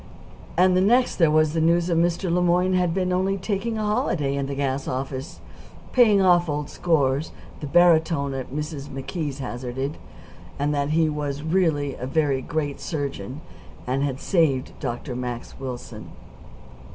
And the next there was the news that Mr. Le Moyne had been only taking a holiday in the gas office, paying off old scores, the barytone at Mrs. McKee's hazarded! and that he was really a very great surgeon and had saved Dr. Max Wilson.